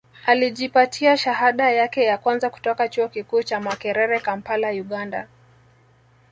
Alijipatia shahada yake ya kwanza kutoka Chuo Kikuu cha Makerere Kampala Uganda